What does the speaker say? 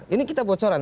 ini kita bocoran